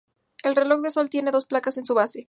El reloj de sol tiene dos placas en su base.